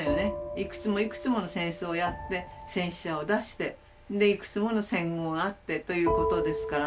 いくつもいくつもの戦争をやって戦死者を出してでいくつもの戦後があってということですから。